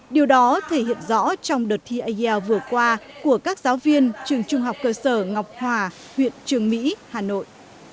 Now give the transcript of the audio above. điều đó thể hiện rõ trong đợt thi ielts vừa qua của các giáo viên trường trung học cơ sở ngọc hòa huyện trường mỹ hà nội